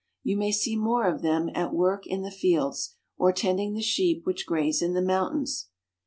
You may see more of them at work in the fields, or tending the sheep which graze in the mountains.